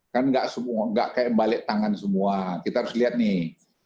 kan nggak semua nggak kayak balik tangan semua kita harus lihat nih